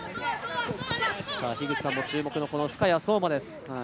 樋口さんも注目の深谷壮馬です。